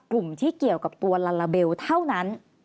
กลุ่มที่เกี่ยวกับตัวลาลาเบลเท่านั้น